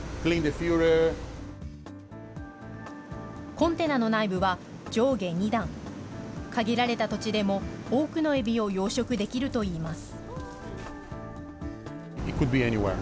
コンテナの内部は上下２段。限られた土地でも、多くのエビを養殖できるといいます。